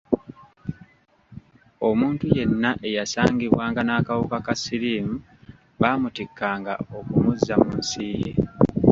Omuntu yenna eyasangibwanga n'akawuka ka siriimu baamutikkanga okumuzza mu nsi ye.